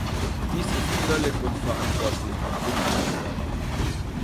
Dies ist völlig unverantwortlich und unannehmbar.